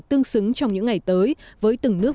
tương xứng trong những ngày tới với từng nước